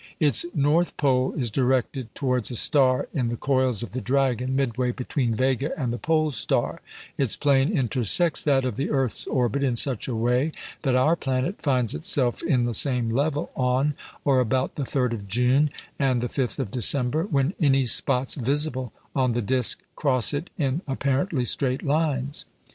Its north pole is directed towards a star in the coils of the Dragon, midway between Vega and the Pole star; its plane intersects that of the earth's orbit in such a way that our planet finds itself in the same level on or about the 3rd of June and the 5th of December, when any spots visible on the disc cross it in apparently straight lines.